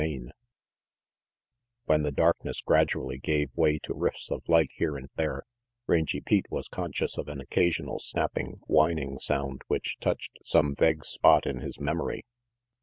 CHAPTER WHEN the darkness gradually gave way to rifts of light here and there, Rangy Pete was conscious of an occasional snapping, whining sound which touched some vague spot in his memory.